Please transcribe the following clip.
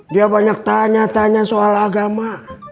dia banyak tanya tanya soal agama